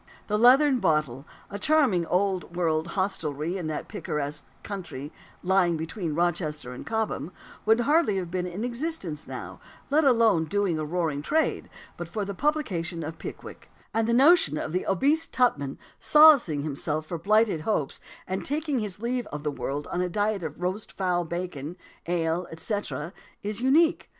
"The Leathern Bottle," a charming old world hostelry in that picturesque country lying between Rochester and Cobham, would hardly have been in existence now, let alone doing a roaring trade, but for the publication of Pickwick; and the notion of the obese Tupman solacing himself for blighted hopes and taking his leave of the world on a diet of roast fowl bacon, ale, etc., is unique.